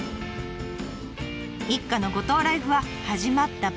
一家の五島ライフは始まったばかり。